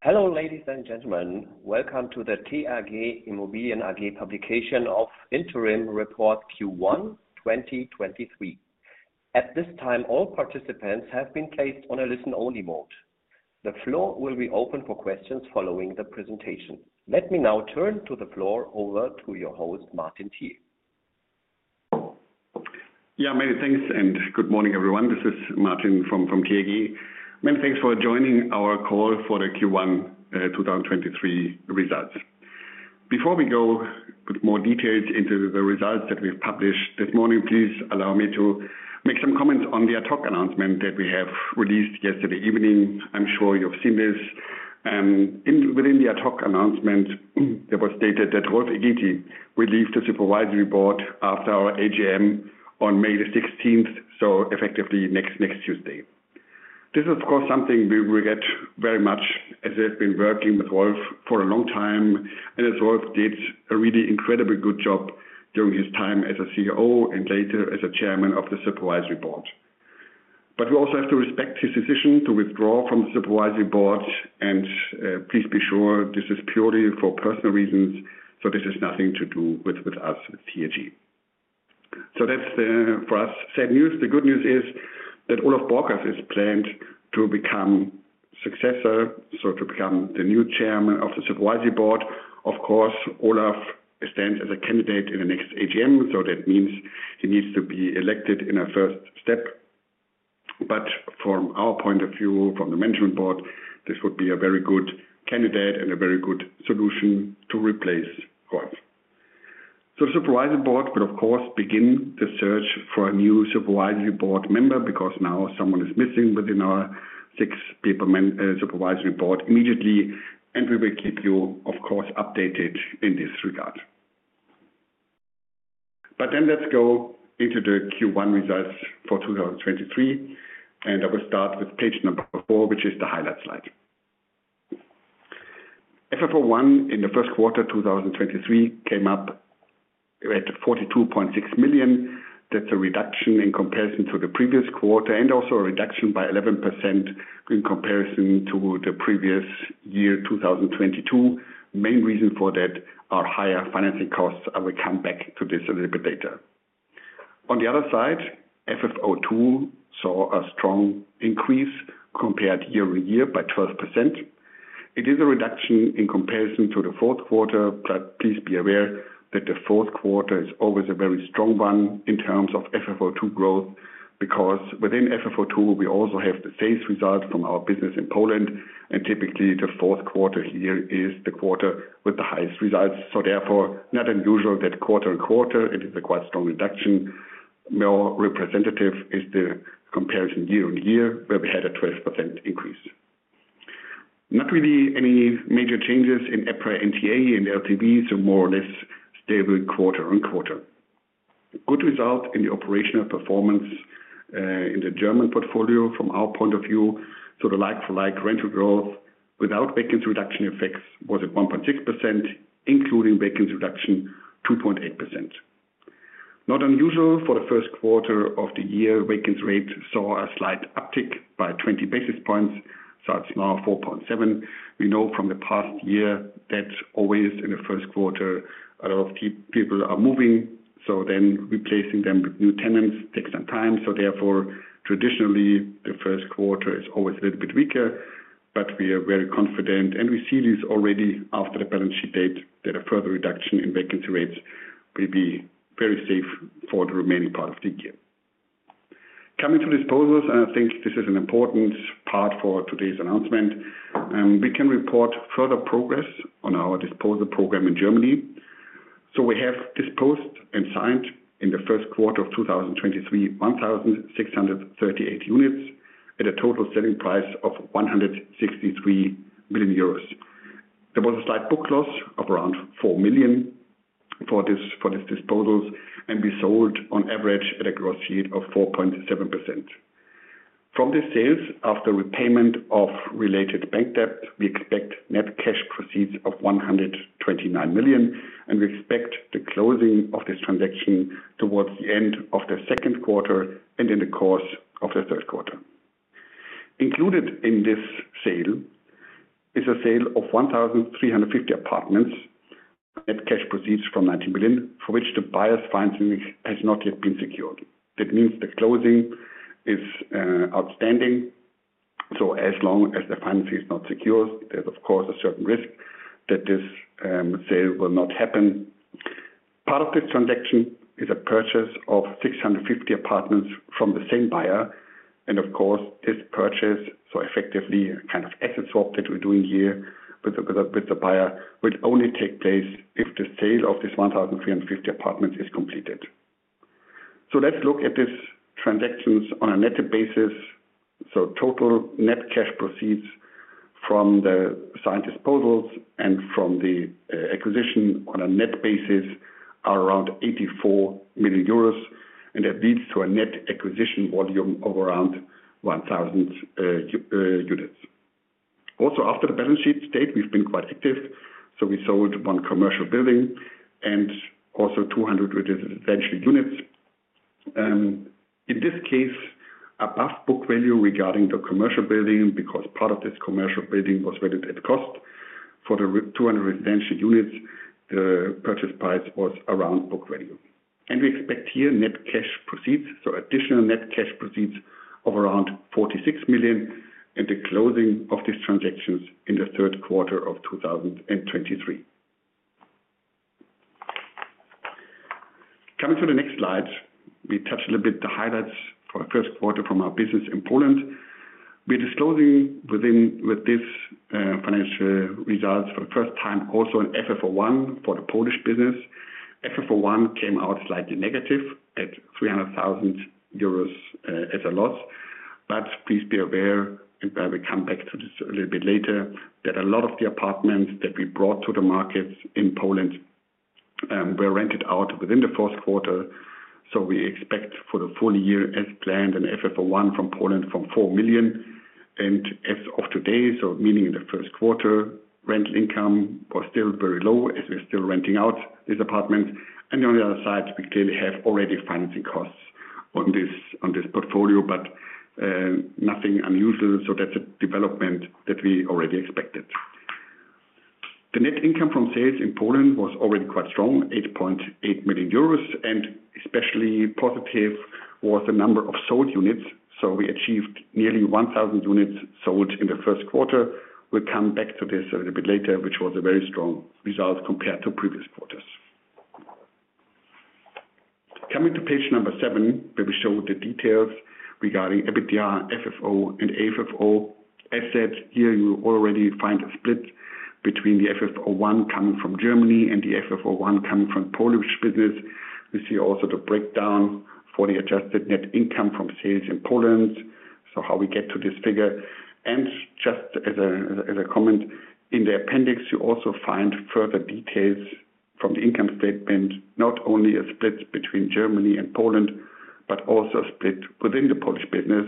Hello, ladies and gentlemen. Welcome to the TAG Immobilien AG publication of interim report Q1 2023. At this time, all participants have been placed on a listen-only mode. The floor will be open for questions following the presentation. Let me now turn the floor over to your host, Martin Thiel. Many thanks and good morning, everyone. This is Martin from TAG. Many thanks for joining our call for the Q1 2023 results. Before we go with more details into the results that we've published this morning, please allow me to make some comments on the ad hoc announcement that we have released yesterday evening. I'm sure you've seen this. Within the ad hoc announcement, it was stated that Rolf Elgeti will leave the supervisory board after our AGM on May 16th, so effectively next Tuesday. This is of course, something we regret very much as I've been working with Rolf for a long time, and as Rolf did a really incredibly good job during his time as a CEO and later as a chairman of the supervisory board. We also have to respect his decision to withdraw from the supervisory board. Please be sure this is purely for personal reasons, so this has nothing to do with us at TAG. That's the, for us, sad news. The good news is that Olaf Borkers is planned to become successor, so to become the new chairman of the supervisory board. Of course, Olaf stands as a candidate in the next AGM, so that means he needs to be elected in a first step. From our point of view, from the management board, this would be a very good candidate and a very good solution to replace Rolf. The supervisory board will of course, begin the search for a new supervisory board member, because now someone is missing within our 6 people men supervisory board immediately, and we will keep you, of course, updated in this regard. Let's go into the Q1 results for 2023. I will start with page four, which is the highlight slide. FFO I in the first quarter of 2023 came up right at 42.6 million. That's a reduction in comparison to the previous quarter, and also a reduction by 11% in comparison to the previous year, 2022. Main reason for that are higher financing costs. I will come back to this a little bit later. On the other side, FFO II saw a strong increase compared year-over-year by 12%. It is a reduction in comparison to the fourth quarter, please be aware that the fourth quarter is always a very strong one in terms of FFO II growth. Within FFO II, we also have the sales results from our business in Poland, and typically the fourth quarter here is the quarter with the highest results. Therefore, not unusual that quarter-over-quarter it is a quite strong reduction. More representative is the comparison year-over-year, where we had a 12% increase. Not really any major changes in EPRA NTA and LTV, so more or less stable quarter-over-quarter. Good result in the operational performance in the German portfolio from our point of view. The like-for-like rental growth without vacants reduction effects was at 1.6%, including vacants reduction, 2.8%. Not unusual for the 1st quarter of the year, vacants rate saw a slight uptick by 20 basis points, so that's now 4.7%. We know from the past year that always in the first quarter, a lot of people are moving, replacing them with new tenants takes some time. Traditionally, the first quarter is always a little bit weaker. We are very confident, and we see this already after the balance sheet date, that a further reduction in vacancy rates will be very safe for the remaining part of the year. Coming to disposals, I think this is an important part for today's announcement, we can report further progress on our disposal program in Germany. We have disposed and signed in the first quarter of 2023, 1,638 units at a total selling price of 163 million euros. There was a slight book loss of around 4 million for this, for these disposals, and we sold on average at a gross yield of 4.7%. From the sales after repayment of related bank debt, we expect net cash proceeds of 129 million, and we expect the closing of this transaction towards the end of the second quarter and in the course of the third quarter. Included in this sale is a sale of 1,350 apartments at cash proceeds from 90 million, for which the buyer's financing has not yet been secured. That means the closing is outstanding, so as long as the financing is not secured, there's of course, a certain risk that this sale will not happen. Part of this transaction is a purchase of 650 apartments from the same buyer, this purchase, so effectively a kind of asset swap that we're doing here with the buyer, will only take place if the sale of this 1,350 apartments is completed. Let's look at these transactions on a net basis. Total net cash proceeds from the signed disposals and from the acquisition on a net basis are around 84 million euros, that leads to a net acquisition volume of around 1,000 units. After the balance sheet date, we've been quite active. We sold one commercial building and also 200 residential units. In this case, above book value regarding the commercial building because part of this commercial building was valued at cost. For the 200 residential units, the purchase price was around book value. We expect here net cash proceeds, additional net cash proceeds of around 46 million, and the closing of these transactions in the third quarter of 2023. Coming to the next slide, we touch a little bit the highlights for the first quarter from our business in Poland. We're disclosing with this financial results for the first time also an FFO I for the Polish business. FFO I came out slightly negative at 300,000 euros as a loss. Please be aware, and I will come back to this a little bit later, that a lot of the apartments that we brought to the markets in Poland, were rented out within the first quarter. We expect for the full year as planned an FFO I from Poland from 4 million. As of today, meaning in the first quarter, rental income was still very low as we're still renting out these apartments. On the other side, we clearly have already financing costs on this, on this portfolio, nothing unusual. That's a development that we already expected. The net income from sales in Poland was already quite strong, 8.8 million euros, especially positive was the number of sold units. We achieved nearly 1,000 units sold in the first quarter. We'll come back to this a little bit later, which was a very strong result compared to previous quarters. Coming to page number seven, where we show the details regarding EBITDA, FFO and AFFO. As said here, you already find a split between the FFO I coming from Germany and the FFO I coming from Polish business. You see also the breakdown for the adjusted net income from sales in Poland, how we get to this figure. Just as a comment, in the appendix, you also find further details from the income statement, not only a split between Germany and Poland, but also a split within the Polish business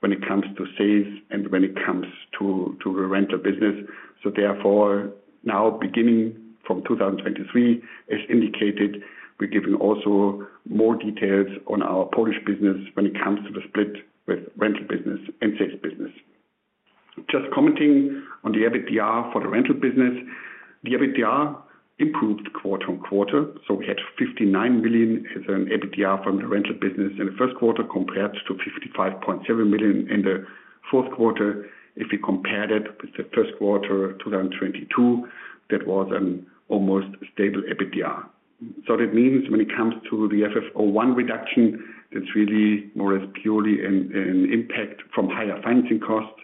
when it comes to sales and when it comes to the rental business. Therefore, now beginning from 2023, as indicated, we're giving also more details on our Polish business when it comes to the split with rental business and sales business. Just commenting on the EBITDA for the rental business. The EBITDA improved quarter-on-quarter. We had 59 million as an EBITDA from the rental business in the first quarter compared to 55.7 million in the fourth quarter. If we compare that with the first quarter of 2022, that was an almost stable EBITDA. That means when it comes to the FFO I reduction, that's really more as purely an impact from higher financing costs.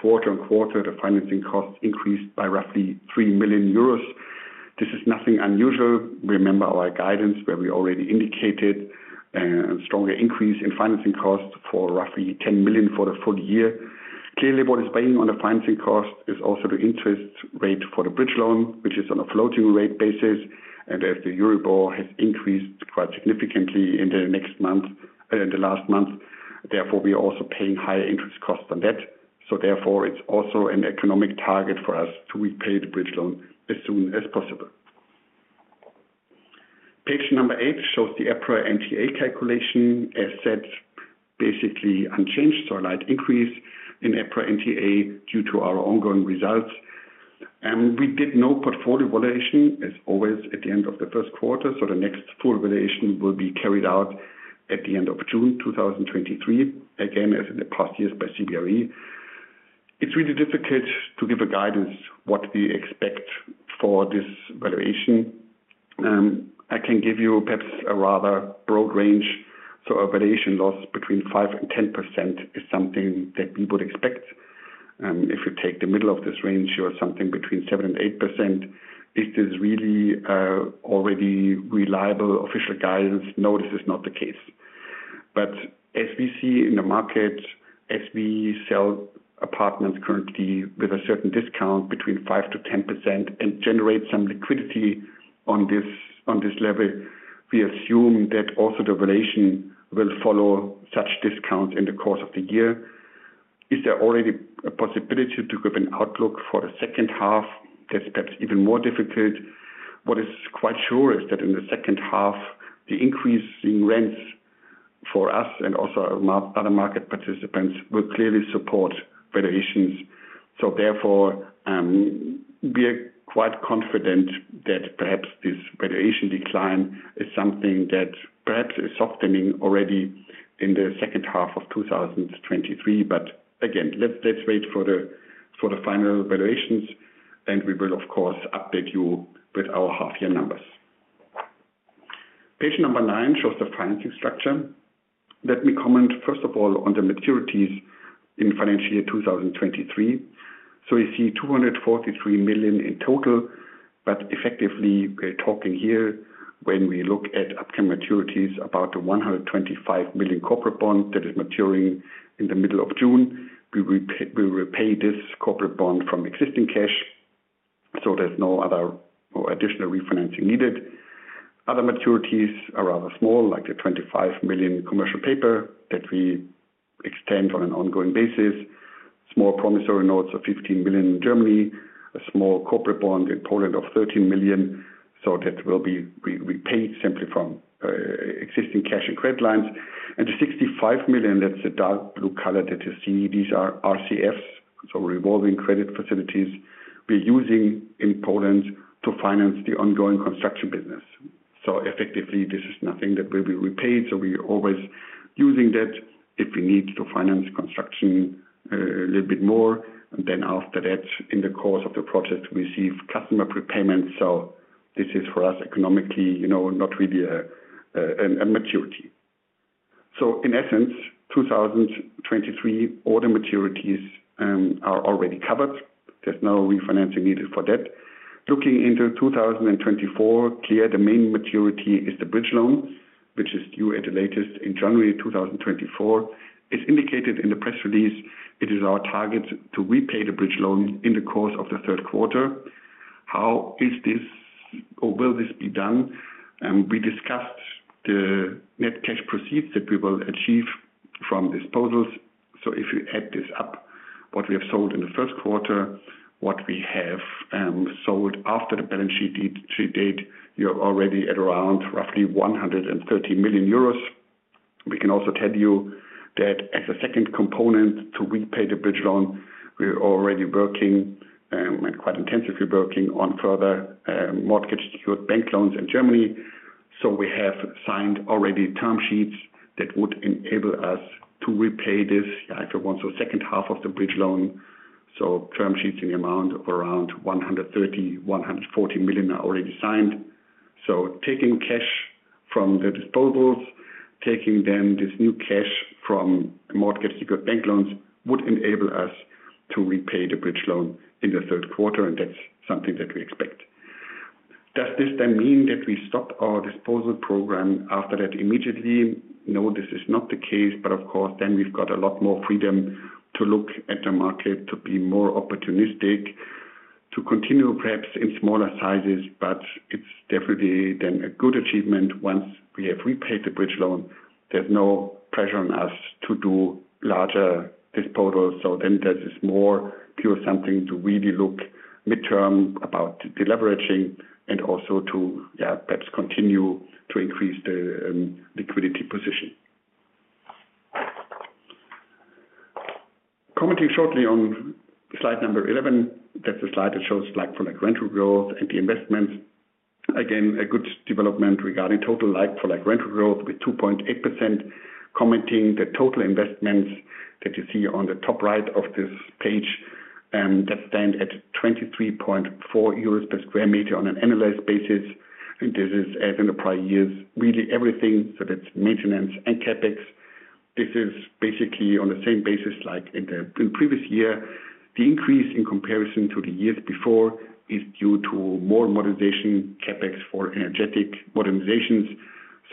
Quarter-on-quarter, the financing costs increased by roughly 3 million euros. This is nothing unusual. Remember our guidance where we already indicated a stronger increase in financing costs for roughly 10 million for the full year. Clearly, what is weighing on the financing cost is also the interest rate for the bridge loan, which is on a floating rate basis. As the Euribor has increased quite significantly in the last month, therefore, we are also paying higher interest costs on that. Therefore, it's also an economic target for us to repay the bridge loan as soon as possible. Page number eight shows the EPRA NTA calculation. As said, basically unchanged or a light increase in EPRA NTA due to our ongoing results. We did no portfolio valuation as always at the end of the first quarter, so the next full valuation will be carried out at the end of June 2023, again, as in the past years by CBRE. It's really difficult to give a guidance what we expect for this valuation. I can give you perhaps a rather broad range. A valuation loss between 5%-10% is something that we would expect. If you take the middle of this range or something between 7% and 8%, it is really already reliable official guidance. No, this is not the case. As we see in the market, as we sell apartments currently with a certain discount between 5%-10% and generate some liquidity on this, on this level, we assume that also the valuation will follow such discounts in the course of the year. Is there already a possibility to give an outlook for the second half? That's perhaps even more difficult. What is quite sure is that in the second half, the increase in rents for us and also other market participants will clearly support valuations. Therefore, we are quite confident that perhaps this valuation decline is something that perhaps is softening already in the second half of 2023. Again, let's wait for the final valuations, and we will, of course, update you with our half-year numbers. Page number nine shows the financing structure. Let me comment, first of all, on the maturities in financial year 2023. You see 243 million in total, effectively, we're talking here when we look at upcoming maturities, about the 125 million corporate bond that is maturing in the middle of June. We will repay this corporate bond from existing cash. There's no other or additional refinancing needed. Other maturities are rather small, like the 25 million commercial paper that we extend on an ongoing basis. Small promissory notes of 15 million in Germany, a small corporate bond in Poland of 13 million. That will be repaid simply from existing cash and credit lines. The 65 million, that's the dark blue color that you see. These are RCFs, so revolving credit facilities we're using in Poland to finance the ongoing construction business. Effectively, this is nothing that will be repaid, so we always using that if we need to finance construction a little bit more. After that, in the course of the project, we receive customer prepayments. This is for us, economically, you know, not really a maturity. In essence, 2023 order maturities are already covered. There's no refinancing needed for that. Looking into 2024, clear the main maturity is the bridge loan, which is due at the latest in January 2024. It's indicated in the press release, it is our target to repay the bridge loan in the course of the third quarter. How is this or will this be done? We discussed the net cash proceeds that we will achieve from disposals. If you add this up, what we have sold in the first quarter, what we have sold after the balance sheet date, you're already at around roughly 130 million euros. We can also tell you that as a second component to repay the bridge loan, we're already working and quite intensively working on further mortgage secured bank loans in Germany. We have signed already term sheets that would enable us to repay this after once or second half of the bridge loan. Term sheets in the amount of around 130 million-140 million are already signed. Taking cash from the disposals, taking then this new cash from mortgage secured bank loans, would enable us to repay the bridge loan in the third quarter, and that's something that we expect. Does this then mean that we stop our disposal program after that immediately? No, this is not the case, but of course, then we've got a lot more freedom to look at the market, to be more opportunistic, to continue perhaps in smaller sizes, but it's definitely then a good achievement. Once we have repaid the bridge loan, there's no pressure on us to do larger disposals. That is more pure something to really look midterm about deleveraging and also to, yeah, perhaps continue to increase the liquidity position. Commenting shortly on slide number 11, that's a slide that shows like-for-like rental growth and the investments. Again, a good development regarding total like-for-like rental growth with 2.8% commenting the total investments that you see on the top right of this page, that stand at 23.4 euros per square meter on an annualized basis. This is as in the prior years, really everything, so that's maintenance and CapEx. This is basically on the same basis like in the previous year. The increase in comparison to the years before is due to more modernization CapEx for energetic modernizations.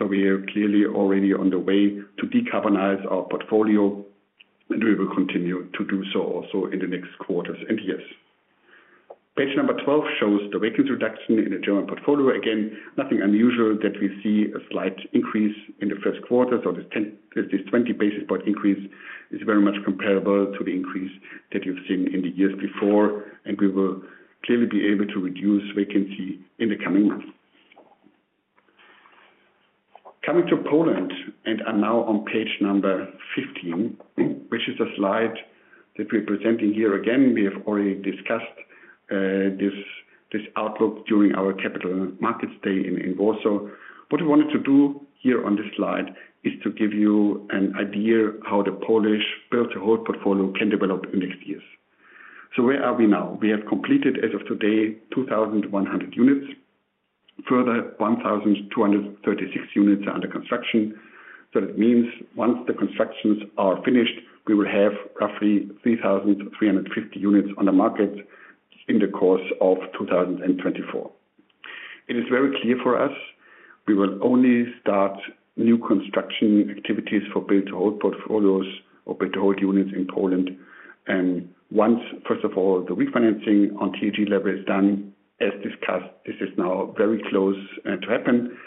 We are clearly already on the way to decarbonize our portfolio, and we will continue to do so also in the next quarters and years. Page number 12 shows the vacancy reduction in the German portfolio. Again, nothing unusual that we see a slight increase in the first quarter. This 10, this 20 basis point increase is very much comparable to the increase that you've seen in the years before, and we will clearly be able to reduce vacancy in the coming months. Coming to Poland, I'm now on page number 15, which is a slide that we're presenting here. We have already discussed this outlook during our capital markets day in Warsaw. What we wanted to do here on this slide is to give you an idea how the Polish build to hold portfolio can develop in next years. Where are we now? We have completed, as of today, 2,100 units. Further, 1,236 units are under construction. That means once the constructions are finished, we will have roughly 3,350 units on the market in the course of 2024. It is very clear for us, we will only start new construction activities for build to hold portfolios or build to hold units in Poland. Once, first of all, the refinancing on TLG level is done, as discussed, this is now very close to happen.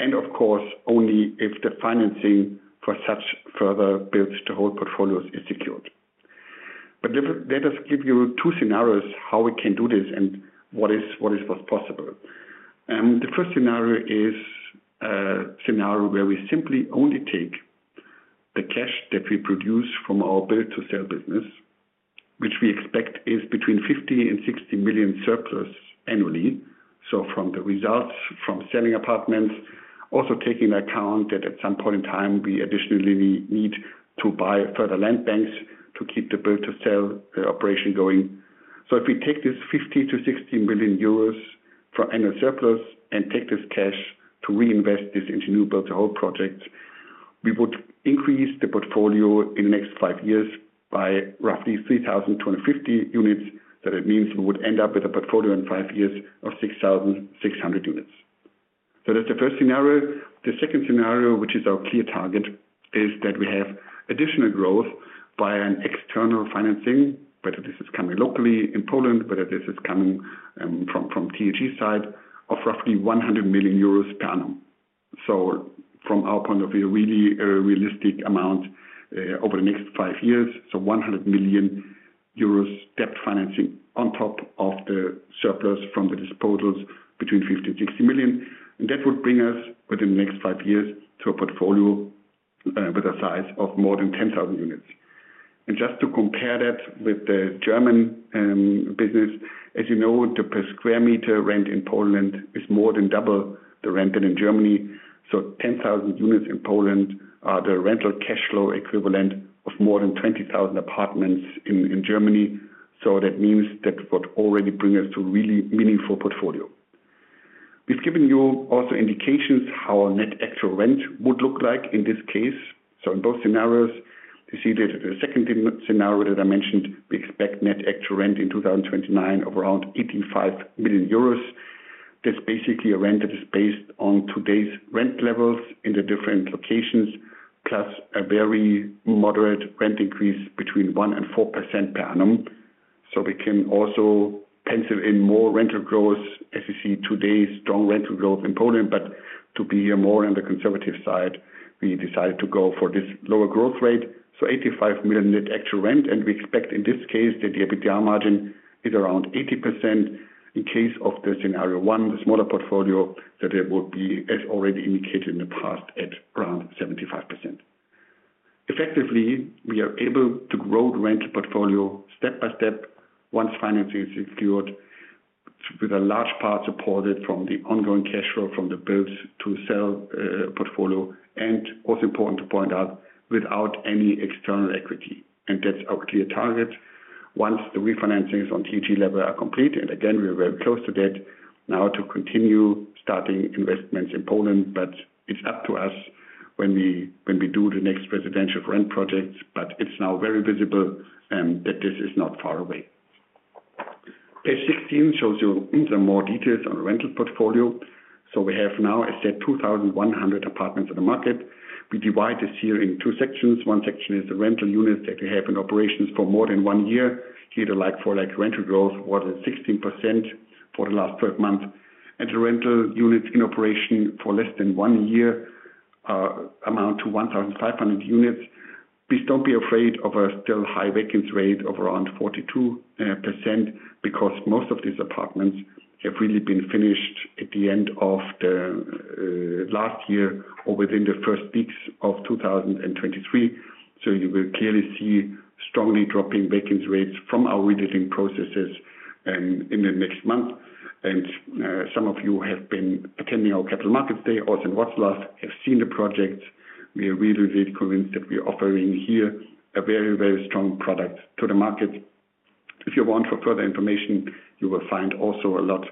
Of course, only if the financing for such further builds to hold portfolios is secured. Let us give you two scenarios how we can do this and what's possible. The first scenario is a scenario where we simply only take the cash that we produce from our build to sell business, which we expect is between 50 million-60 million surplus annually. From the results from selling apartments, also taking account that at some point in time, we additionally need to buy further land banks to keep the build to sell operation going. If we take this 50 million-60 million euros for annual surplus and take this cash to reinvest this into new build to hold projects, we would increase the portfolio in the next five years by roughly 3,250 units. That means we would end up with a portfolio in five years of 6,600 units. That's the first scenario. The second scenario, which is our clear target, is that we have additional growth by an external financing, whether this is coming locally in Poland, whether this is coming from TAG side of roughly 100 million euros per annum. From our point of view, really a realistic amount over the next five years. 100 million euros debt financing on top of the surplus from the disposals between 50 million-60 million. That would bring us within the next five years to a portfolio with a size of more than 10,000 units. Just to compare that with the German business, as you know, the per square meter rent in Poland is more than double the rent than in Germany. 10,000 units in Poland are the rental cash flow equivalent of more than 20,000 apartments in Germany. That means that would already bring us to really meaningful portfolio. We've given you also indications how our net actual rent would look like in this case. In both scenarios, you see that the second scenario that I mentioned, we expect net actual rent in 2029 of around 85 million euros. That's basically a rent that is based on today's rent levels in the different locations, plus a very moderate rent increase between 1%-4% per annum. We can also pencil in more rental growth as you see today, strong rental growth in Poland. To be more on the conservative side, we decided to go for this lower growth rate. 85 million net actual rent, and we expect in this case that the EBITDA margin is around 80%. In case of the scenario 1, the smaller portfolio, that it would be, as already indicated in the past, at around 75%. Effectively, we are able to grow the rental portfolio step by step once financing is secured with a large part supported from the ongoing cash flow from the build-to-sell portfolio. Also important to point out, without any external equity, and that's our clear target. Once the refinancings on TAG level are complete, and again, we are very close to that now to continue starting investments in Poland. It's up to us when we do the next residential rent projects. It's now very visible that this is not far away. Page 16 shows you even more details on the rental portfolio. We have now, I said, 2,100 apartments on the market. We divide this here in two sections. One section is the rental units that we have in operations for more than one year. Here the like-for-like rental growth was 16% for the last 12 months. The rental units in operation for less than one year amount to 1,500 units. Please don't be afraid of a still high vacancy rate of around 42% because most of these apartments have really been finished at the end of the last year or within the first weeks of 2023. You will clearly see strongly dropping vacancy rates from our renting processes in the next month. Some of you have been attending our capital markets day also in Wroclaw, have seen the project. We are really convinced that we are offering here a very strong product to the market. If you want for further information, you will find also a lot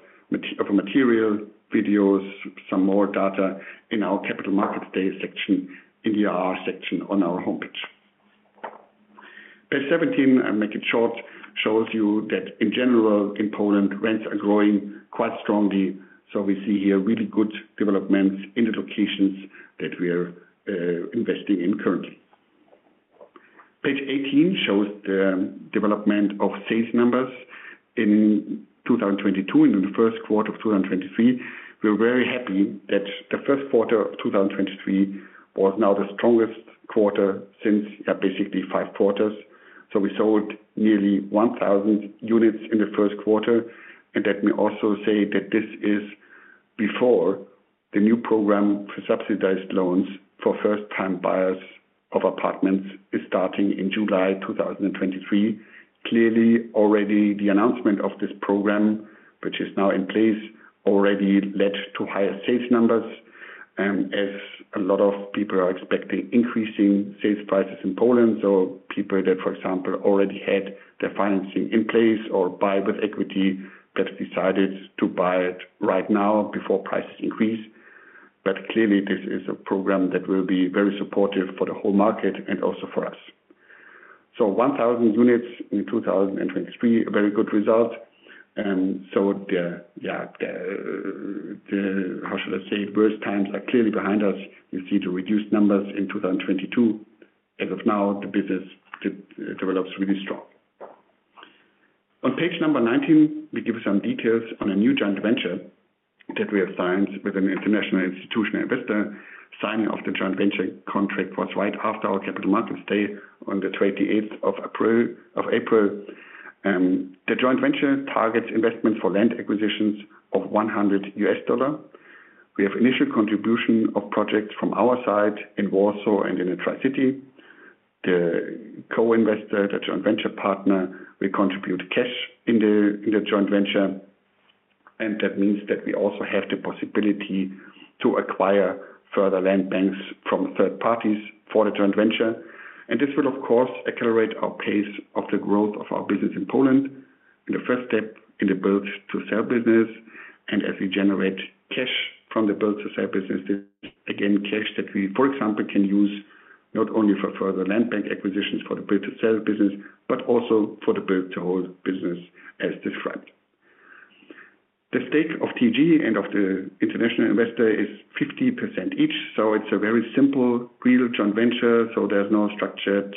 material, videos, some more data in our Capital Markets Day section, in the IR section on our homepage. Page 17, I make it short, shows you that in general in Poland, rents are growing quite strongly. We see here really good developments in the locations that we are investing in currently. Page 18 shows the development of sales numbers in 2022 and in the first quarter of 2023. We're very happy that the first quarter of 2023 was now the strongest quarter since basically five quarters. We sold nearly 1,000 units in the first quarter. Let me also say that this is before the new program for subsidized loans for first time buyers of apartments is starting in July 2023. Clearly already the announcement of this program, which is now in place, already led to higher sales numbers, as a lot of people are expecting increasing sales prices in Poland. People that, for example, already had their financing in place or buy with equity, but decided to buy it right now before prices increase. Clearly this is a program that will be very supportive for the whole market and also for us. 1,000 units in 2023, a very good result. The, yeah, the, how should I say, worst times are clearly behind us. You see the reduced numbers in 2022. As of now, the business develops really strong. On page number 19, we give some details on a new joint venture that we have signed with an international institutional investor. Signing of the joint venture contract was right after our capital markets day on the 28th of April. The joint venture targets investment for land acquisitions of $100. We have initial contribution of projects from our side in Warsaw and in the Tri-City. The co-investor, the joint venture partner, will contribute cash in the joint venture. That means that we also have the possibility to acquire further land banks from third parties for the joint venture. This will of course accelerate our pace of the growth of our business in Poland in the first step in the build to sell business. As we generate cash from the build to sell business, again, cash that we, for example, can use not only for the land bank acquisitions for the build to sell business, but also for the build to hold business, as different. The stake of TAG and of the international investor is 50% each. It's a very simple real joint venture, so there's no structured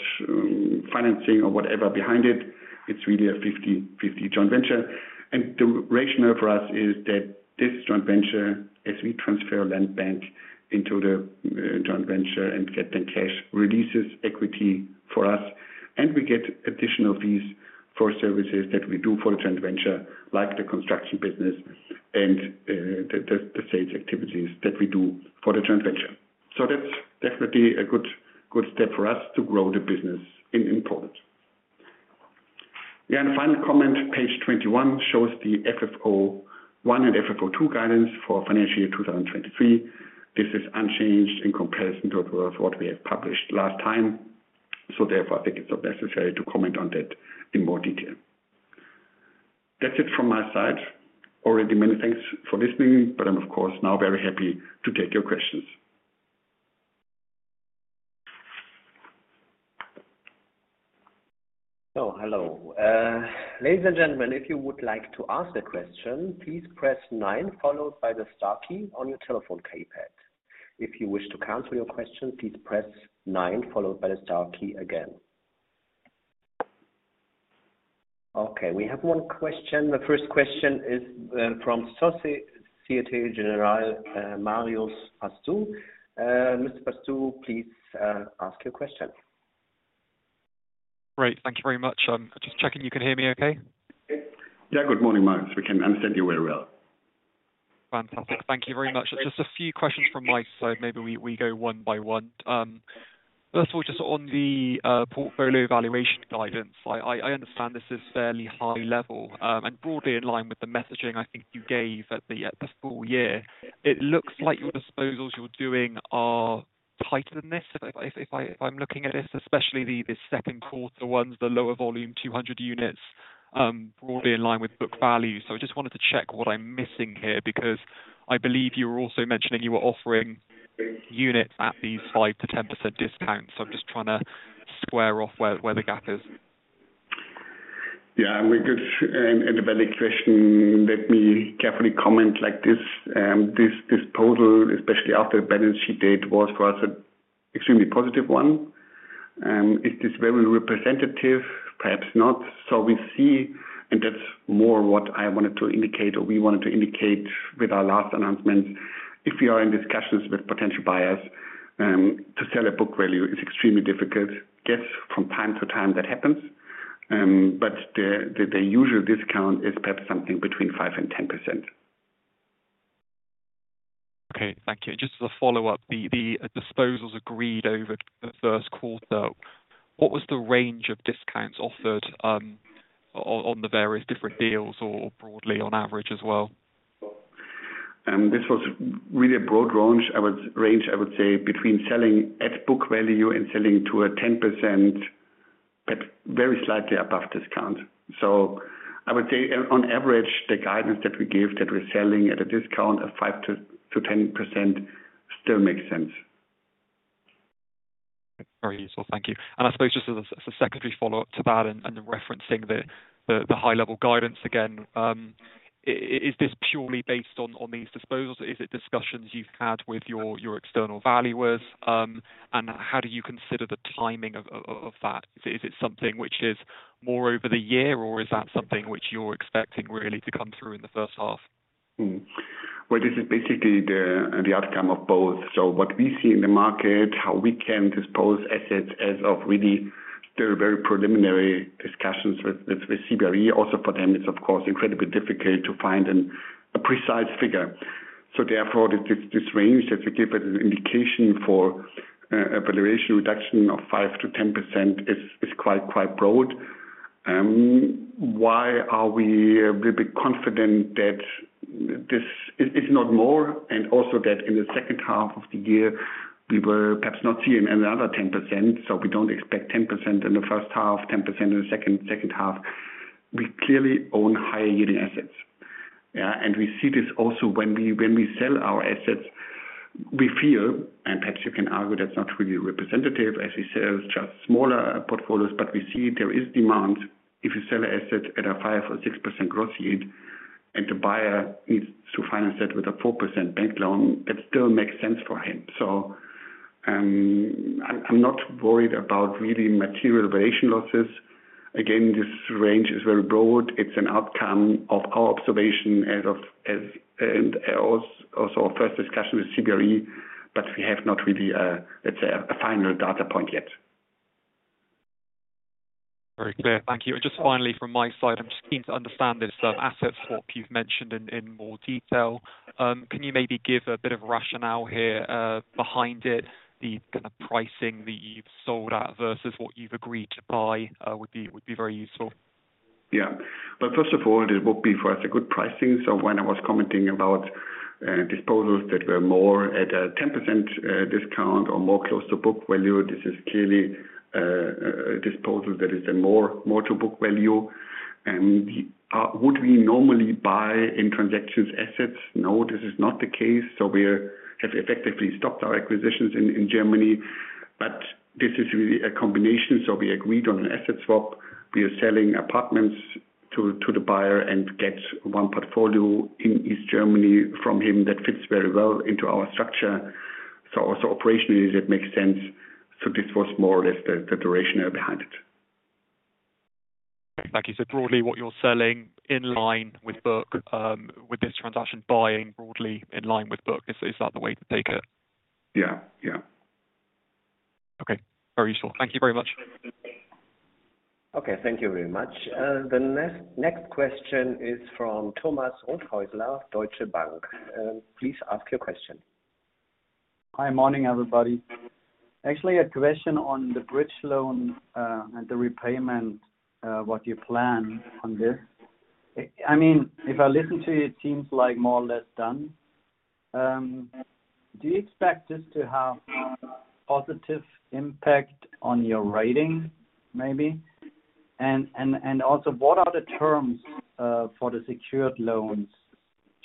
financing or whatever behind it. It's really a 50/50 joint venture. The rationale for us is that this joint venture, as we transfer land bank into the joint venture and get the cash, releases equity for us. We get additional fees for services that we do for the joint venture, like the construction business and the sales activities that we do for the joint venture. That's definitely a good step for us to grow the business in Poland. Final comment, page 21 shows the FFO I and FFO II guidance for financial year 2023. This is unchanged in comparison to what we have published last time. Therefore, I think it's not necessary to comment on that in more detail. That's it from my side. Already many thanks for listening, but I'm of course now very happy to take your questions. Hello. ladies and gentlemen, if you would like to ask a question, please press nine followed by the star key on your telephone keypad. If you wish to cancel your question, please press nine followed by the star key again. We have one question. The first question is from Societe Generale, Marios Panayiotou. Mr. Panayiotou, please ask your question. Great. Thank you very much. Just checking you can hear me okay? Yeah. Good morning, Marios. We can understand you very well. Fantastic. Thank you very much. Just a few questions from my side. Maybe we go one by one. First of all, just on the portfolio valuation guidance, I understand this is fairly high level, and broadly in line with the messaging I think you gave at the full year. It looks like your disposals you're doing are tighter than this if I'm looking at it, especially the second quarter ones, the lower volume, 200 units, broadly in line with book value. I just wanted to check what I'm missing here because I believe you were also mentioning you were offering units at the 5%-10% discount. I'm just trying to square off where the gap is. A good and valid question. Let me carefully comment like this. This total, especially after balance sheet date, was for us extremely positive one. Is this very representative? Perhaps not. We see, and that's more what I wanted to indicate or we wanted to indicate with our last announcement. If we are in discussions with potential buyers, to sell a book value is extremely difficult. Yes, from time to time that happens. The usual discount is perhaps something between 5% and 10%. Okay, thank you. Just as a follow-up, the disposals agreed over the first quarter, what was the range of discounts offered on the various different deals or broadly on average as well? This was really a broad range, I would say between selling at book value and selling to a 10%, but very slightly above discount. I would say on average, the guidance that we give that we're selling at a discount of 5%-10% still makes sense. Very useful. Thank you. I suppose just as a secondary follow-up to that and referencing the high level guidance again, is this purely based on these disposals? Is it discussions you've had with your external valuers? How do you consider the timing of that? Is it something which is more over the year, or is that something which you're expecting really to come through in the first half? Well, this is basically the outcome of both. What we see in the market, how we can dispose assets as of really still very preliminary discussions with CBRE. For them, it's of course incredibly difficult to find a precise figure. Therefore, this range that we give as an indication for a valuation reduction of 5%-10% is quite broad. Why are we a little bit confident that this is not more and also that in the second half of the year we will perhaps not see another 10%. We don't expect 10% in the first half, 10% in the second half. We clearly own higher yielding assets. Yeah. We see this also when we sell our assets, we feel, and perhaps you can argue that's not really representative as we sell just smaller portfolios, but we see there is demand. If you sell an asset at a 5% or 6% gross yield, and the buyer needs to finance that with a 4% bank loan, it still makes sense for him. I'm not worried about really material valuation losses. Again, this range is very broad. It's an outcome of our observation as of, as, and also our first discussion with CBRE, but we have not really a, let's say, a final data point yet. Very clear. Thank you. Just finally from my side, I'm just keen to understand this asset swap you've mentioned in more detail. Can you maybe give a bit of rationale here behind it? The kind of pricing that you've sold at versus what you've agreed to buy would be very useful. First of all, it would be for us a good pricing. When I was commenting about disposals that were more at a 10% discount or more close to book value, this is clearly a disposal that is more to book value. Would we normally buy in transactions assets? No, this is not the case. We have effectively stopped our acquisitions in Germany. This is really a combination. We agreed on an asset swap. We are selling apartments to the buyer and get one portfolio in East Germany from him that fits very well into our structure. Also operationally, it makes sense. This was more or less the rationale behind it. Thank you. Broadly, what you're selling in line with book, with this transaction, buying broadly in line with book, is that the way to take it? Yeah. Yeah. Okay. Very useful. Thank you very much. Okay. Thank you very much. The next question is from Thomas Rothaeusler, Deutsche Bank. Please ask your question. Hi. Morning, everybody. Actually, a question on the bridge loan, and the repayment, what you plan on this? I mean, if I listen to you, it seems like more or less done. Do you expect this to have positive impact on your rating, maybe? Also, what are the terms for the secured loans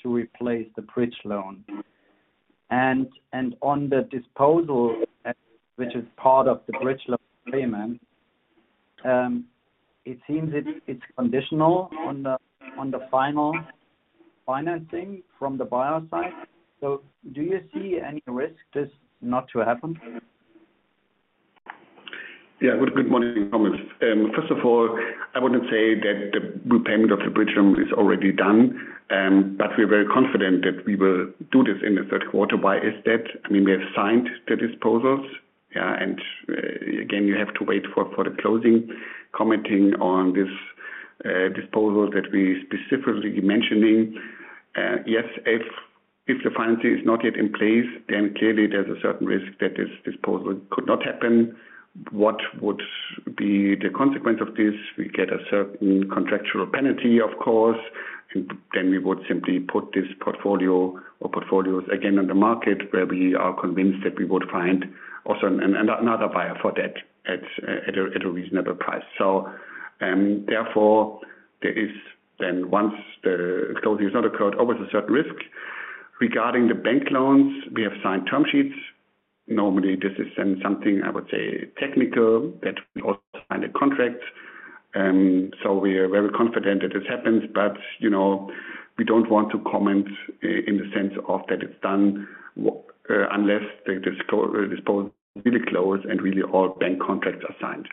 to replace the bridge loan? On the disposal, which is part of the bridge loan payment, it seems it's conditional on the final financing from the buyer side. Do you see any risk this not to happen? Yeah. Good morning, Thomas. First of all, I wouldn't say that the repayment of the bridge loan is already done, but we're very confident that we will do this in the third quarter by as I've said. I mean, we have signed the disposals. Again, you have to wait for the closing, commenting on this disposal that we specifically mentioning. Yes, if the financing is not yet in place, then clearly there's a certain risk that this disposal could not happen. What would be the consequence of this? We get a certain contractual penalty, of course, and then we would simply put this portfolio or portfolios again on the market where we are convinced that we would find also another buyer for that at a reasonable price. Therefore, there is then once the closing has not occurred, always a certain risk. Regarding the bank loans, we have signed term sheets. Normally, this is then something, I would say, technical that we also sign a contract. We are very confident that this happens. You know, we don't want to comment in the sense of that it's done unless the disposal really closed and really all bank contracts are signed.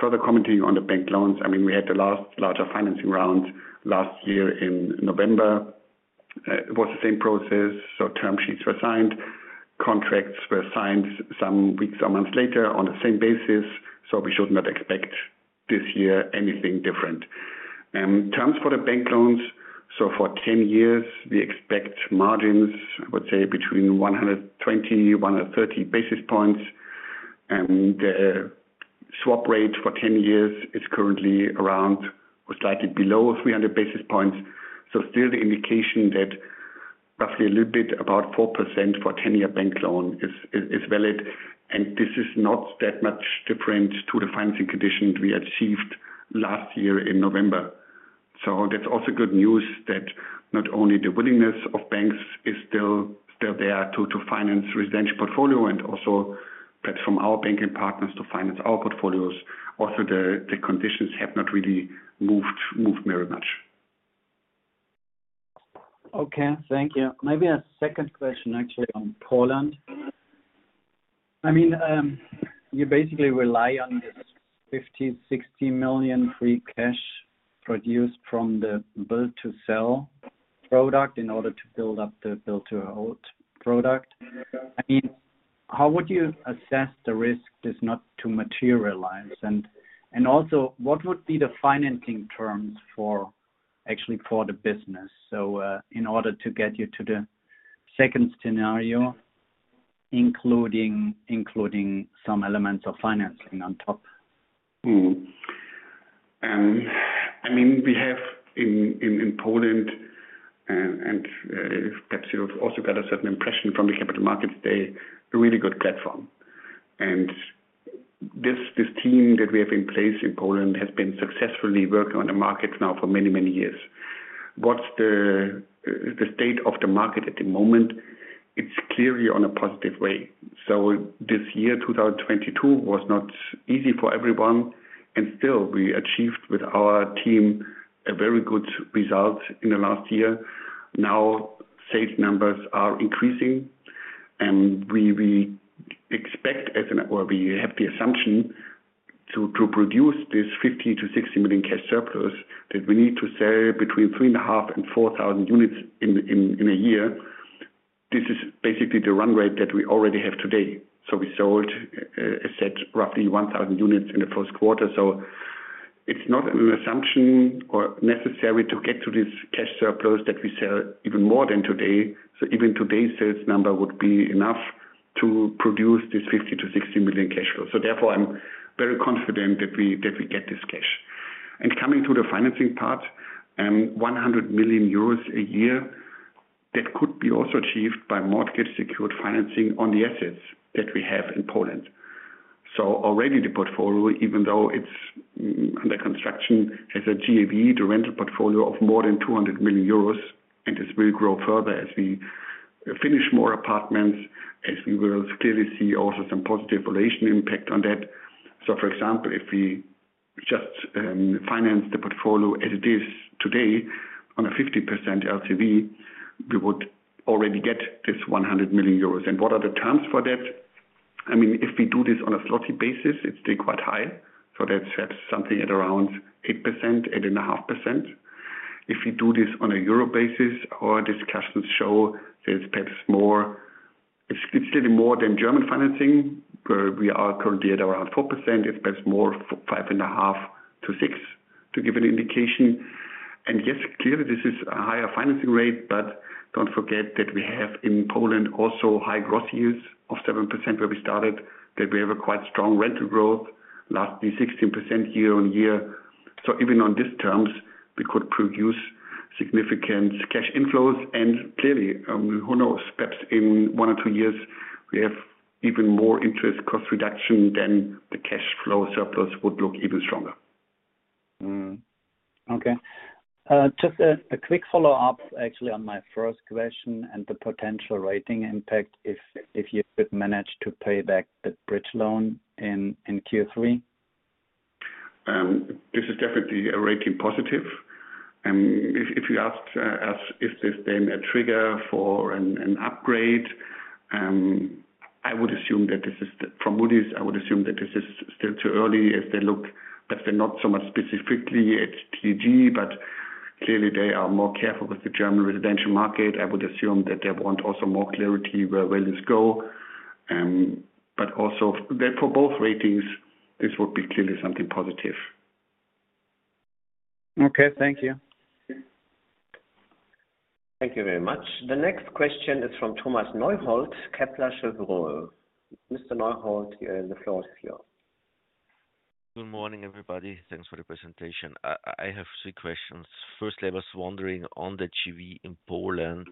Further commenting on the bank loans, I mean, we had the last larger financing round last year in November. It was the same process. Term sheets were signed. Contracts were signed some weeks or months later on the same basis. We should not expect this year anything different. Terms for the bank loans. For 10 years, we expect margins, I would say, between 120, 130 basis points. The swap rate for 10 years is currently around or slightly below 300 basis points. Still the indication that roughly a little bit about 4% for a 10-year bank loan is valid. This is not that much different to the financing conditions we achieved last year in November. That's also good news that not only the willingness of banks is still there to finance residential portfolio and also that from our banking partners to finance our portfolios. Also, the conditions have not really moved very much. Okay. Thank you. Maybe a second question actually on Poland. I mean, you basically rely on this 50 million-60 million free cash produced from the build to sell product in order to build up the build to hold product. I mean, how would you assess the risk this not to materialize? Also, what would be the financing terms for the business? In order to get you to the second scenario, including some elements of financing on top. I mean, we have in Poland, and perhaps you've also got a certain impression from the capital markets day, a really good platform. This team that we have in place in Poland has been successfully working on the markets now for many, many years. What's the state of the market at the moment? It's clearly on a positive way. This year, 2022, was not easy for everyone, and still we achieved with our team a very good result in the last year. Now, sales numbers are increasing, and we have the assumption to produce this 50 million-60 million cash surplus that we need to sell between 3,500 and 4,000 units in a year. This is basically the run rate that we already have today. We sold, I said roughly 1,000 units in the first quarter. It's not an assumption or necessary to get to this cash surplus that we sell even more than today. Even today's sales number would be enough to produce this 50 million-60 million cash flow. Therefore, I'm very confident that we get this cash. Coming to the financing part, 100 million euros a year. That could be also achieved by mortgage secured financing on the assets that we have in Poland. Already the portfolio, even though it's under construction, has a GAV, the rental portfolio of more than 200 million euros. This will grow further as we finish more apartments, as we will clearly see also some positive relation impact on that. For example, if we just finance the portfolio as it is today on a 50% LTV, we would already get this 100 million euros. What are the terms for that? I mean, if we do this on a zloty basis, it's still quite high. That's something at around 8%, 8.5%. If we do this on a euro basis, our discussions show there's perhaps more. It's little more than German financing, where we are currently at around 4%. It's perhaps more 5.5%-6%, to give an indication. Yes, clearly this is a higher financing rate, but don't forget that we have in Poland also high gross yields of 7% where we started, that we have a quite strong rental growth, lastly 16% year-on-year. Even on these terms, we could produce significant cash inflows. Clearly, who knows, perhaps in one or two years we have even more interest cost reduction than the cash flow surplus would look even stronger. Mm-hmm. Okay, just a quick follow-up actually on my first question and the potential rating impact if you could manage to pay back the bridge loan in Q3. This is definitely a rating positive. If you asked us is this then a trigger for an upgrade, From Moody's, I would assume that this is still too early as they look, but they're not so much specifically at TAG, but clearly they are more careful with the German residential market. I would assume that they want also more clarity where values go. Also, therefore both ratings, this would be clearly something positive. Okay. Thank you. Thank you very much. The next question is from Thomas Neuhold, Kepler Cheuvreux. Mr. Neuhold, the floor is yours. Good morning, everybody. Thanks for the presentation. I have three questions. Firstly, I was wondering on the JV in Poland,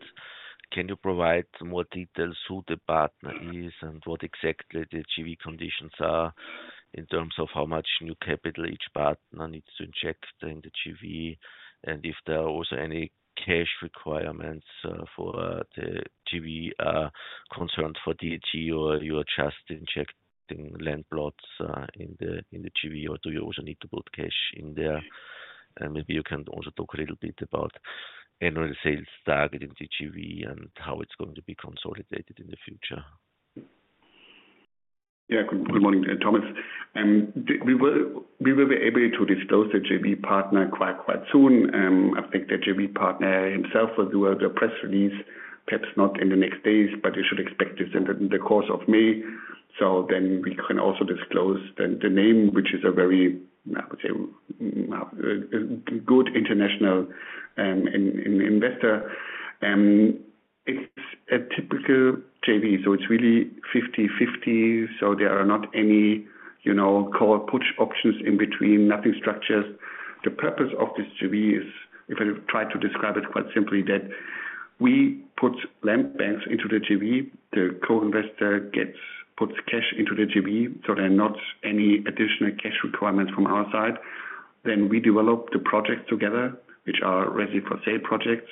can you provide more details who the partner is and what exactly the JV conditions are in terms of how much new capital each partner needs to inject in the JV? If there are also any cash requirements for the JV concerned for TAG, or you are just injecting land plots in the JV, or do you also need to put cash in there? Maybe you can also talk a little bit about annual sales target in the JV and how it's going to be consolidated in the future. Yeah. Good morning, Thomas. We will be able to disclose the JV partner quite soon. I think the JV partner himself will do the press release, perhaps not in the next days, but you should expect this in the course of May. We can also disclose the name, which is a very, I would say, good international investor. It's a typical JV, it's really 50/50. There are not any, you know, call, put options in between, nothing structures. The purpose of this JV is, if I try to describe it quite simply, that we put land banks into the JV. The co-investor puts cash into the JV, there are not any additional cash requirements from our side. We develop the projects together, which are ready-for-sale projects.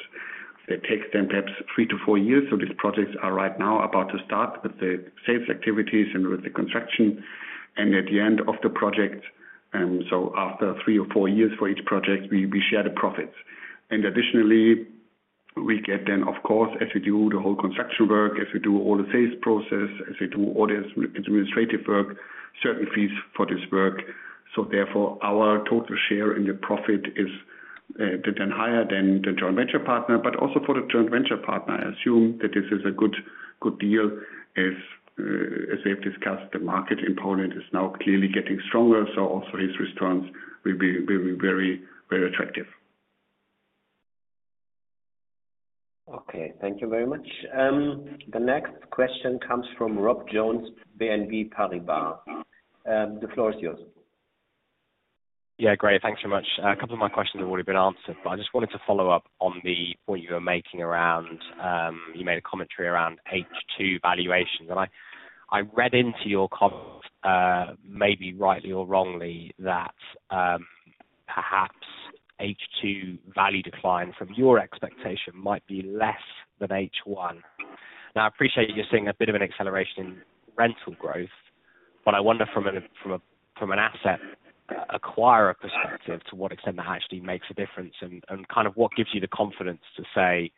That takes them perhaps 3 years- 4 years. These projects are right now about to start with the sales activities and with the construction. At the end of the project, after 3 or 4 years for each project, we share the profits. Additionally, we get then, of course, as we do the whole construction work, as we do all the sales process, as we do all the administrative work, certain fees for this work. Therefore, our total share in the profit is done higher than the joint venture partner. Also for the joint venture partner, I assume that this is a good deal as they've discussed, the market in Poland is now clearly getting stronger. Also his returns will be very attractive. Okay. Thank you very much. The next question comes from Rob Jones, BNP Paribas. The floor is yours. Yeah. Great. Thanks so much. A couple of my questions have already been answered, but I just wanted to follow up on the point you were making around, you made a commentary around H2 valuations. I read into your comments, maybe rightly or wrongly, that perhaps H2 value decline from your expectation might be less than H1. I appreciate you're seeing a bit of an acceleration in rental growth, I wonder from an, from a, from an asset, acquire perspective to what extent that actually makes a difference and kind of what gives you the confidence to say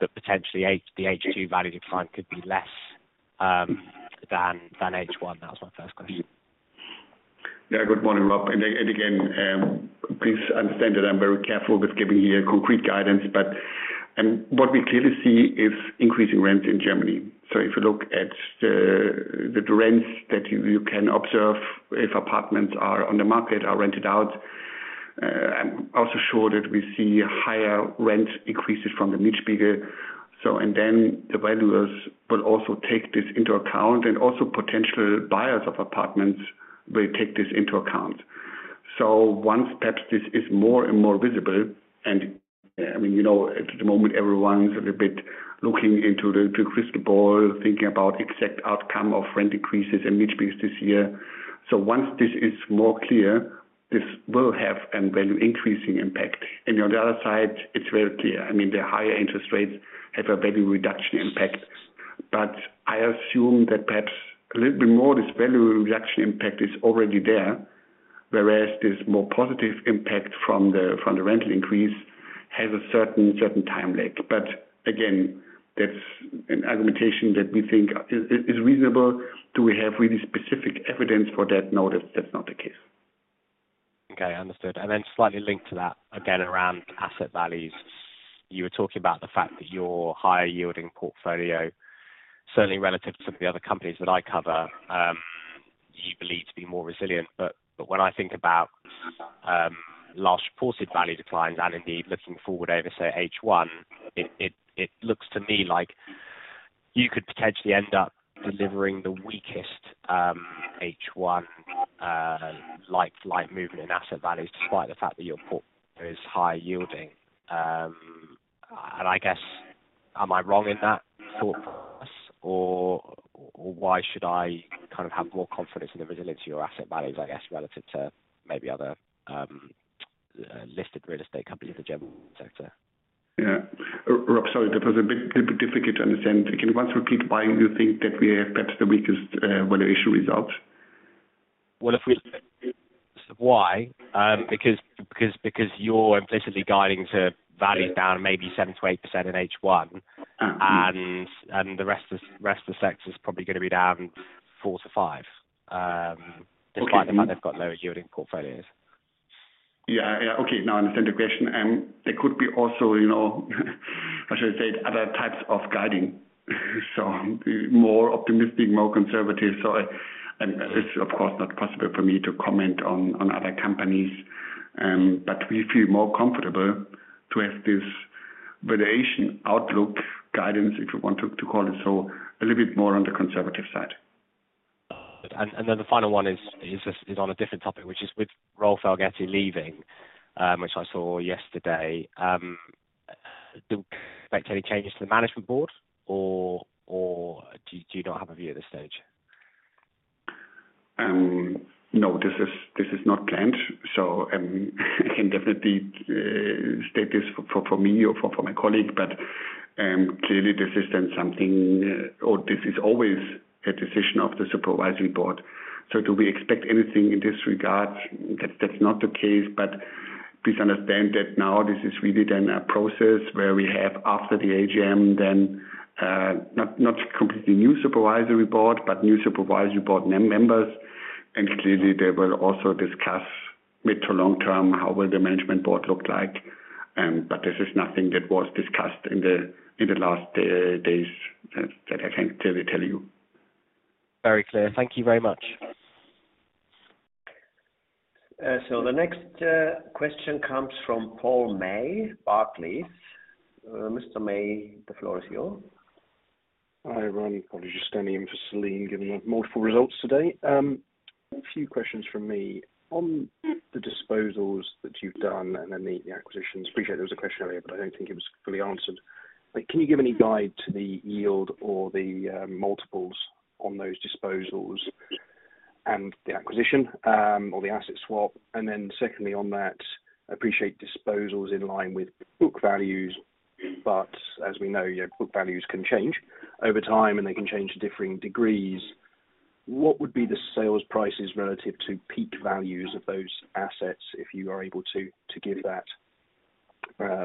that potentially the H2 value decline could be less than H1? That was my first question. Yeah. Good morning, Rob. Again, please understand that I'm very careful with giving here concrete guidance, but what we clearly see is increasing rent in Germany. If you look at the rents that you can observe if apartments are on the market are rented out. I'm also sure that we see higher rent increases from the Mietspiegel. The valuers will also take this into account and also potential buyers of apartments will take this into account. Once perhaps this is more and more visible and, I mean, you know, at the moment everyone's a little bit looking into the crystal ball, thinking about exact outcome of rent increases and lease breaks this year. Once this is more clear, this will have an value increasing impact. On the other side, it's very clear. I mean, the higher interest rates have a very reduction impact. I assume that perhaps a little bit more this value reaction impact is already there. Whereas this more positive impact from the, from the rental increase has a certain time lag. Again, that's an argumentation that we think is reasonable. Do we have really specific evidence for that? No, that's not the case. Okay, understood. Slightly linked to that, again, around asset values. You were talking about the fact that your higher yielding portfolio, certainly relative to some of the other companies that I cover, you believe to be more resilient. But when I think about large reported value declines and indeed looking forward over, say, H1, it looks to me like you could potentially end up delivering the weakest H1 like movement in asset values despite the fact that your port is higher yielding. I guess, am I wrong in that thought process or why should I kind of have more confidence in the resilience of your asset values, I guess, relative to maybe other listed real estate companies in the general sector? Yeah. Rob, sorry. That was a little bit difficult to understand. Can you once repeat why you think that we have perhaps the weakest valuation results? If we Why? Because you're implicitly guiding to values down maybe 7%-8% in H1. Uh-huh. The rest of the sector is probably gonna be down 4%-5%. Okay. despite the fact they've got lower yielding portfolios. Yeah. Okay, now I understand the question. There could be also, you know, I should say other types of guiding. More optimistic, more conservative. It's of course, not possible for me to comment on other companies. We feel more comfortable to have this valuation outlook guidance, if you want to call it so, a little bit more on the conservative side. Then the final one isn't a different topic, which is with Rolf Elgeti leaving, which I saw yesterday. Do you expect any changes to the management board or do you not have a view at this stage? No. This is not planned. I can definitely state this for me or for my colleague, but clearly this isn't something or this is always a decision of the Supervisory Board. Do we expect anything in this regard? That's not the case, but please understand that now this is really then a process where we have after the AGM then not completely new Supervisory Board members. Clearly they will also discuss mid to long term how will the Management Board look like. This is nothing that was discussed in the last days that I can clearly tell you. Very clear. Thank you very much. The next question comes from Paul May, Barclays. Mr. May, the floor is yours. Hi, Ryan. Probably just standing in for Céline, giving multiple results today. A few questions from me. On the disposals that you've done and then the acquisitions. Appreciate there was a question earlier, but I don't think it was fully answered. Can you give any guide to the yield or the multiples on those disposals and the acquisition or the asset swap? Secondly on that, appreciate disposals in line with book values. As we know, your book values can change over time, and they can change to differing degrees. What would be the sales prices relative to peak values of those assets? If you are able to give that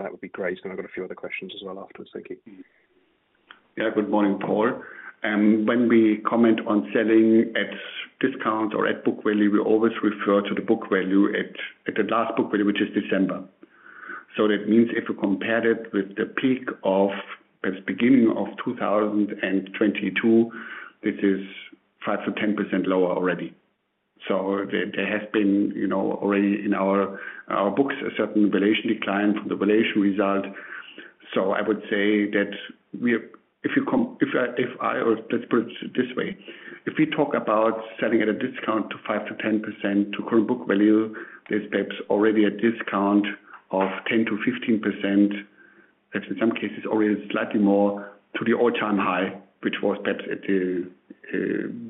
would be great. I've got a few other questions as well afterwards. Thank you. Good morning, Paul. When we comment on selling at discount or at book value, we always refer to the book value at the last book value, which is December. That means if you compare it with the peak of this beginning of 2022, it is 5%-10% lower already. There has been, you know, already in our books a certain valuation decline from the valuation result. I would say that we if we talk about selling at a discount to 5%-10% to current book value, there's perhaps already a discount of 10%-15%. That's in some cases or even slightly more to the all-time high, which was perhaps at the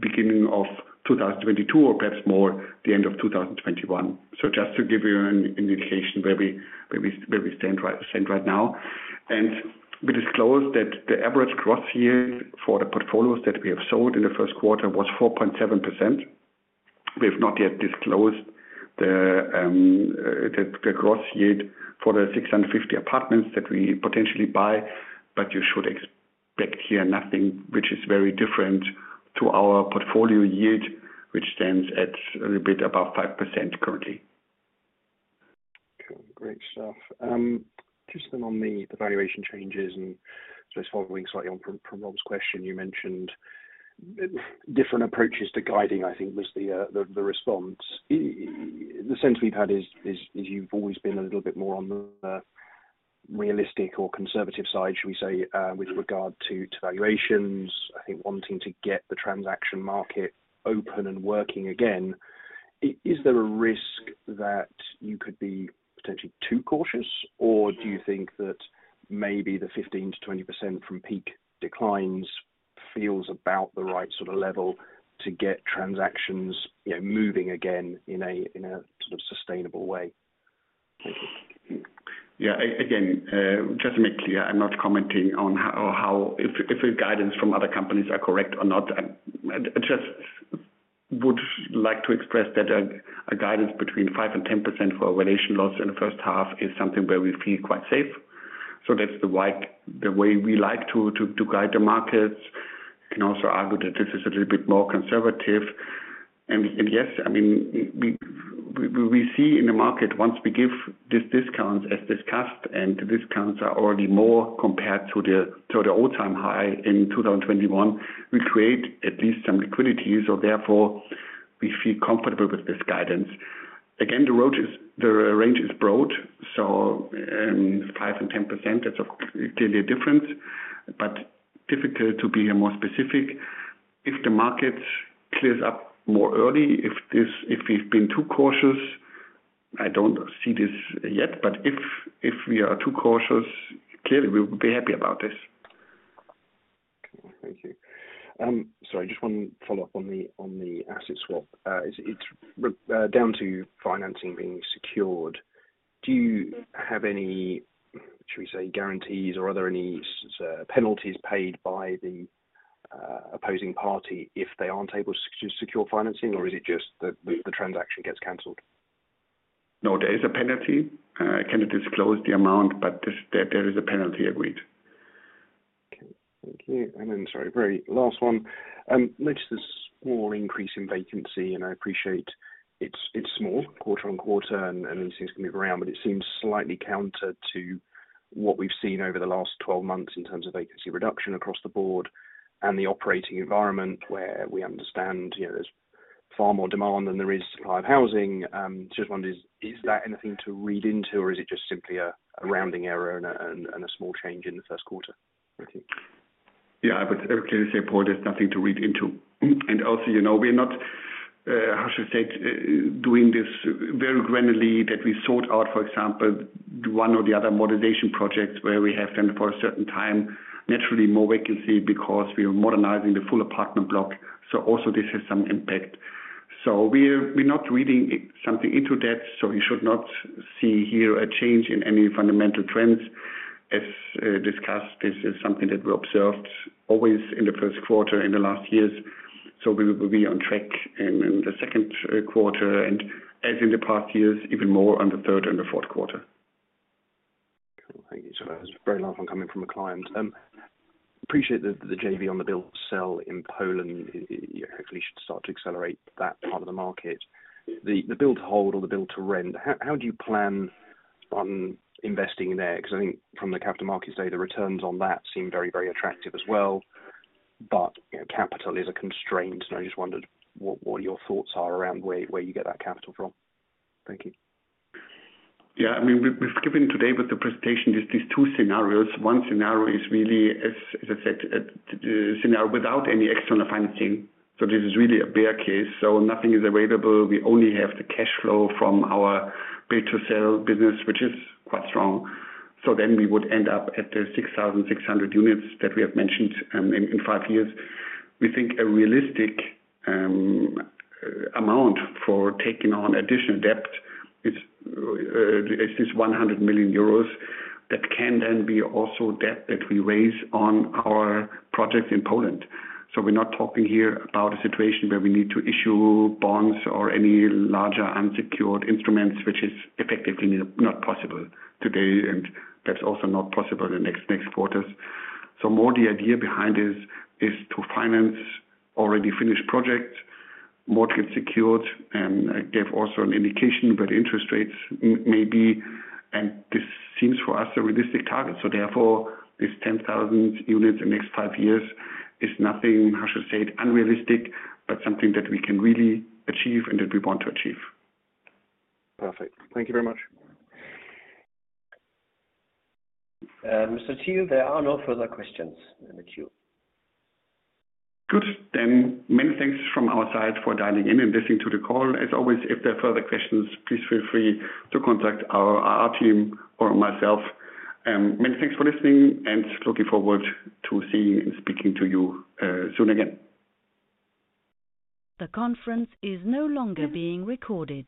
beginning of 2022 or perhaps more the end of 2021. Just to give you an indication where we stand right now. We disclosed that the average gross yield for the portfolios that we have sold in the first quarter was 4.7%. We've not yet disclosed the gross yield for the 650 apartments that we potentially buy. You should expect here nothing which is very different to our portfolio yield, which stands at a little bit above 5% currently. Cool. Great stuff. Just on the valuation changes and just following slightly on from Rob's question, you mentioned different approaches to guiding, I think was the response. The sense we've had is you've always been a little bit more on the realistic or conservative side, should we say, with regard to valuations, I think wanting to get the transaction market open and working again. Is there a risk that you could be potentially too cautious? Do you think that maybe the 15%-20% from peak declines feels about the right sort of level to get transactions, you know, moving again in a sort of sustainable way? Yeah. Again, just to make clear, I'm not commenting on if a guidance from other companies are correct or not. I just would like to express that a guidance between 5% and 10% for valuation loss in the first half is something where we feel quite safe. That's the way we like to guide the markets. You can also argue that this is a little bit more conservative. Yes, I mean, we see in the market, once we give these discounts as discussed, and the discounts are already more compared to the all-time high in 2021, we create at least some liquidity. Therefore we feel comfortable with this guidance. The range is broad, so, 5% and 10%, that's clearly different, but difficult to be more specific. If the market clears up more early, if we've been too cautious, I don't see this yet, but if we are too cautious, clearly we will be happy about this. Okay. Thank you. Sorry, I just wanna follow up on the asset swap. It's down to financing being secured. Do you have any, should we say, guarantees or are there any penalties paid by the opposing party if they aren't able to secure financing or is it just the transaction gets canceled? No, there is a penalty. I cannot disclose the amount, but there is a penalty agreed. Okay. Thank you. Sorry, very last one. noticed a small increase in vacancy, and I appreciate it's small quarter-on-quarter and things can move around, but it seems slightly counter to what we've seen over the last 12 months in terms of vacancy reduction across the board and the operating environment where we understand, you know, there's far more demand than there is supply of housing. just wondered is that anything to read into or is it just simply a rounding error and a small change in the 1st quarter? Thank you. Yeah. I would clearly say, Paul, there's nothing to read into. Also, you know, we're not, how should I say, doing this very granularly that we sort out, for example, one or the other modernization projects where we have them for a certain time, naturally more vacancy because we are modernizing the full apartment block. Also this has some impact. We're not reading something into that. You should not see here a change in any fundamental trends. As discussed, this is something that we observed always in the first quarter in the last years. We'll be on track in the second quarter and as in the past years, even more on the third and the fourth quarter. Cool. Thank you. There's a very last one coming from a client. Appreciate the JV on the build to sell in Poland. It, it actually should start to accelerate that part of the market. The, the build to hold or the build to rent, how do you plan on investing in there? 'Cause I think from the capital markets day, the returns on that seem very, very attractive as well, but, you know, capital is a constraint, and I just wondered what your thoughts are around where you get that capital from. Thank you. I mean, we've given today with the presentation, these two scenarios. One scenario is really, as I said, scenario without any external financing. This is really a bare case. Nothing is available. We only have the cash flow from our build to sell business, which is quite strong. We would end up at the 6,600 units that we have mentioned, in five years. We think a realistic amount for taking on additional debt is this 100 million euros that can then be also debt that we raise on our projects in Poland. We're not talking here about a situation where we need to issue bonds or any larger unsecured instruments, which is effectively not possible today, and that's also not possible in next quarters. More the idea behind this is to finance already finished projects, mortgage secured, and I gave also an indication what interest rates maybe, and this seems for us a realistic target. Therefore this 10,000 units in the next five years is nothing, how should I say it, unrealistic, but something that we can really achieve and that we want to achieve. Perfect. Thank you very much. Mr. Elgeti, there are no further questions in the queue. Good. Many thanks from our side for dialing in and listening to the call. As always, if there are further questions, please feel free to contact our IR team or myself. Many thanks for listening and looking forward to seeing and speaking to you soon again. The conference is no longer being recorded.